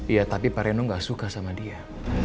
iya tapi pak reno gak suka sama dia